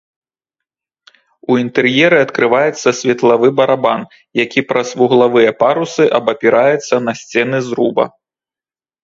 У інтэр'еры адкрываецца светлавы барабан, які праз вуглавыя парусы абапіраецца на сцены зруба.